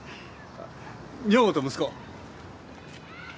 女房と息子。